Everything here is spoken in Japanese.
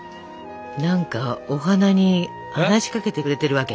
何かお花に話しかけてくれてるわけ？